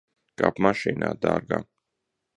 Kāp mašīnā, dārgā.